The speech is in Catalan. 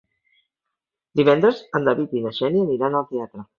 Divendres en David i na Xènia aniran al teatre.